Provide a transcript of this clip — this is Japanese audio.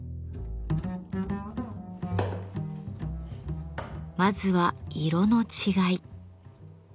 まずは色の違い。